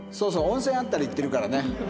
温泉あったら行ってるからね。